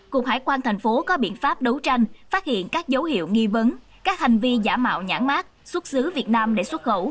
cục hải quan thành phố có biện pháp đấu tranh phát hiện các dấu hiệu nghi vấn các hành vi giả mạo nhãn mát xuất xứ việt nam để xuất khẩu